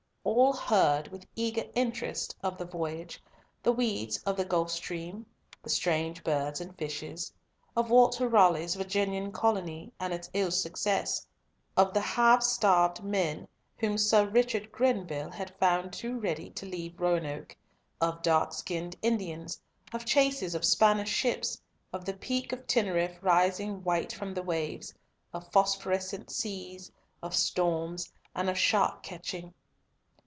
All heard with eager interest of the voyage, the weeds in the Gulf Stream, the strange birds and fishes, of Walter Raleigh's Virginian colony and its ill success, of the half starved men whom Sir Richard Grenville had found only too ready to leave Roanoake, of dark skinned Indians, of chases of Spanish ships, of the Peak of Teneriffe rising white from the waves, of phosphorescent seas, of storms, and of shark catching.